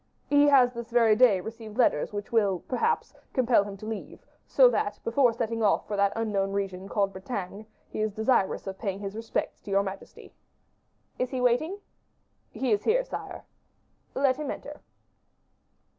"He has this very day received letters which will, perhaps, compel him to leave, so that, before setting off for that unknown region called Bretagne, he is desirous of paying his respects to your majesty." "Is he waiting?" "He is here, sire." "Let him enter."